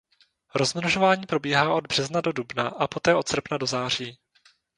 Rozmnožování probíhá od března do dubna a poté od srpna do září.